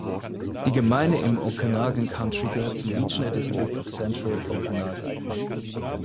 Die Gemeinde im Okanagan Country gehört zum Regional District of Central Okanagan.